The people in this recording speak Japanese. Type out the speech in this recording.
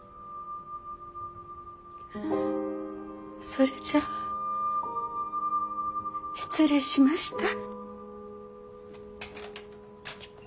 それじゃあ失礼しました。